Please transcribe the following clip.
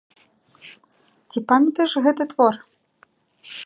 Ці памятаеш гэты твор?